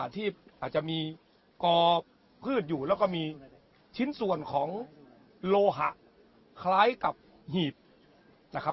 ที่อาจจะมีกอพืชอยู่แล้วก็มีชิ้นส่วนของโลหะคล้ายกับหีบนะครับ